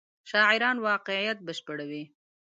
شاعران واقعیت بشپړوي.